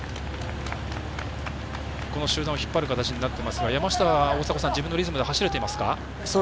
この集団を引っ張る形になっていますが山下は、自分のリズムで走れていますか？